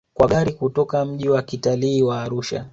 Kwa gari kutoka mji wa kitalii wa Arusha